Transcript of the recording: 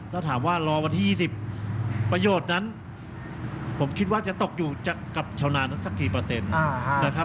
ถ้าถามว่ารอวันที่๒๐ประโยชน์นั้นผมคิดว่าจะตกอยู่กับชาวนานนั้นสักกี่เปอร์เซ็นต์นะครับ